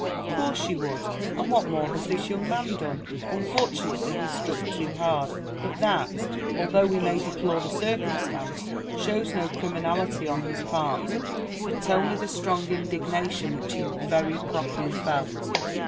Of course, you would; and what more has this young man done? Unfortunately he struck too hard; but that, although we may deplore the circumstance, shows no criminality on his part; but only the strong indignation which he very properly felt.